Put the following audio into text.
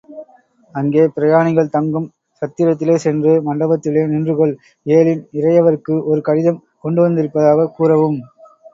அங்கே பிரயாணிகள் தங்கும் சத்திரத்திலே சென்று, மண்டபத்திலே நின்றுகொள், ஏழின் இறையவருக்கு ஒரு கடிதம் கொண்டுவந்திருப்பதாகக் கூறவும்.